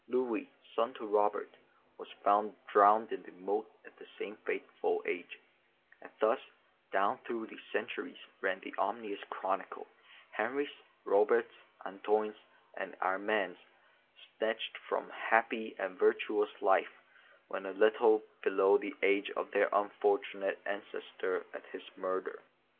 Louis, son to Robert, was found drowned in the moat at the same fateful age, and thus down through the centuries ran the ominous chronicle; Henris, Roberts, Antoines, and Armands snatched from happy and virtuous lives when a little below the age of their unfortunate ancestor at his murder.